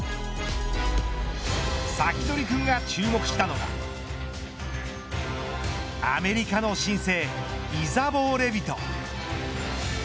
サキドリくんが注目したのはアメリカの新星イザボー・レヴィト。